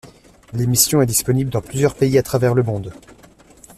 L'émission est disponible dans plusieurs pays à travers le monde.